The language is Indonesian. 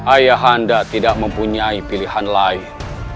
ayah handa tidak mempunyai pilihan lain